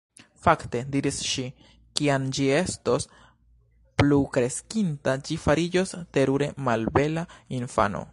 "Fakte," diris ŝi, "kiam ĝi estos plukreskinta ĝi fariĝos terure malbela infano. »